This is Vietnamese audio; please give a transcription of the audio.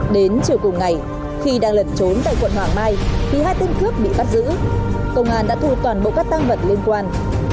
đến chiều cùng ngày khi đang lật trốn tại quận hoàng mai khi hai tên cướp bị bắt giữ công an đã thu toàn bộ các tăng vật liên quan